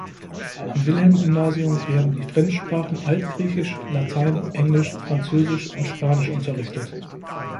Am Wilhelm-Gymnasium werden die Fremdsprachen Altgriechisch, Latein, Englisch, Französisch und Spanisch unterrichtet.